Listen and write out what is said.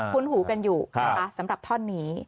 ุ้นหูกันอยู่นะคะสำหรับท่อนนี้